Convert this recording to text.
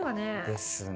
ですね